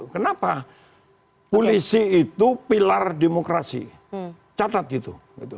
kenapa polisi itu pilar demokrasi catat gitu